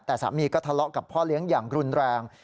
แต่สามีก็ทะเลาะกับพ่อเลี้ยงอย่างรุนแรง